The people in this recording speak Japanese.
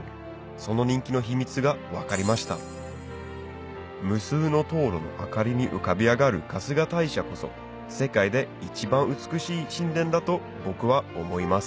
その人気の秘密が分かりました無数の燈籠の明かりに浮かび上がる春日大社こそ世界で一番美しい神殿だと僕は思います